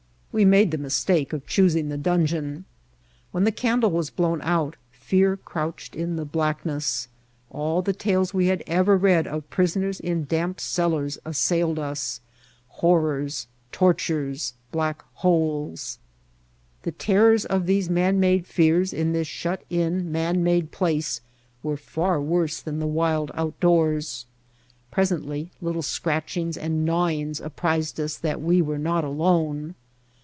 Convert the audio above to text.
We made the mistake of choosing the dungeon. When the candle was blown out fear crouched in the blackness. All the tales we had ever read of White Heart of Mojave prisoners in damp cellars assailed us — horrors, tortures, black holes. The terrors of these man made fears in this shut in, man made place were far worse than the wild outdoors. Presently little scratchings and gnawings apprised us that we were not alone.